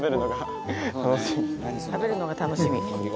食べるのが楽しみ。